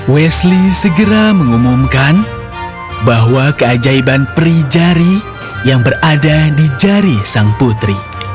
wesley segera mengumumkan bahwa keajaiban perijari yang berada di jari sang putri